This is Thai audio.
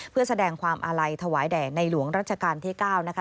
เพื่อแสดงความอาลัยถวายแด่ในหลวงรัชกาลที่๙นะคะ